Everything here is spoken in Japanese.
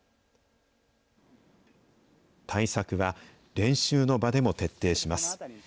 対策は、練習の場でも徹底します。